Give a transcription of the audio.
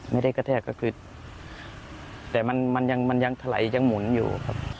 ไม่ได้กระแทกก็คือแต่มันยังไถลยังหมุนอยู่ครับ